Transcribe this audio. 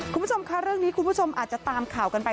คุณผู้ชมค่ะเรื่องนี้คุณผู้ชมอาจจะตามข่าวกันไป